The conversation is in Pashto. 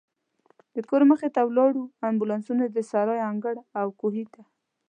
د کور مخې ته ولاړو امبولانسونو، د سرای انګړ او کوهي ته.